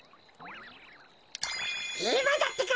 いまだってか。